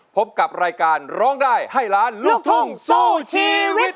พบกับรายการร้องได้ให้ล้านลูกทุ่งสู้ชีวิต